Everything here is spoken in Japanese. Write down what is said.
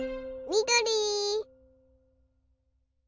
みどり！